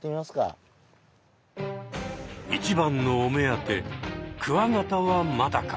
一番のお目当てクワガタはまだか。